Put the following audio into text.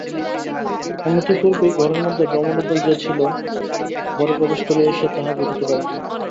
অনতিপূর্বেই ঘরের মধ্যে রমণীদল যে ছিল, ঘরে প্রবেশ করিয়াই সে তাহা বুঝিতে পারিল।